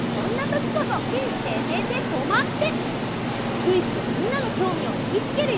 クイズでみんなのきょうみをひきつけるよ！